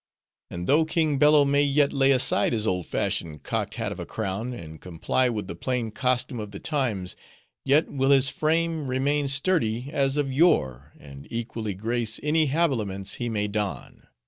And though King Bello may yet lay aside his old fashioned cocked hat of a crown, and comply with the plain costume of the times; yet will his, frame remain sturdy as of yore, and equally grace any habiliments he may don.